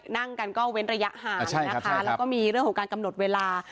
นั่งกันก็เว้นระยะห่างนะคะแล้วก็มีเรื่องของการกำหนดเวลา